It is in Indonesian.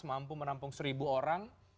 mampu menampung seribu orang